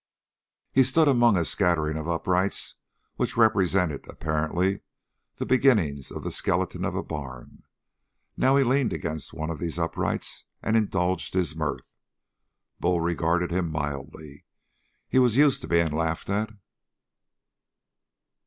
He stood among a scattering of uprights which represented, apparently, the beginnings of the skeleton of a barn. Now he leaned against one of these uprights and indulged his mirth. Bull regarded him mildly; he was used to being laughed at.